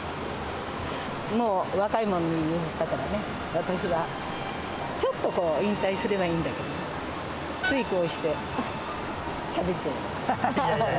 もう若い者に譲ったからね、私はちょっとこう、引退すればいいんだけど、ついこうしてしゃべっちゃう。